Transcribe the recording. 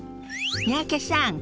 三宅さん